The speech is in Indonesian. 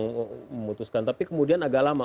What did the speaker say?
memutuskan tapi kemudian agak lama